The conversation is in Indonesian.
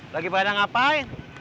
lagi pada ngapain